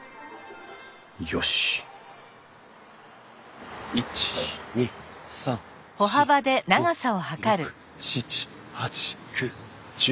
よし１２３４５６７８９１０。